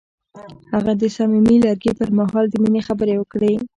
هغه د صمیمي لرګی پر مهال د مینې خبرې وکړې.